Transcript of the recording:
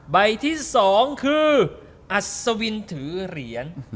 ใบที่๒คืออัศวินถือเหรียญ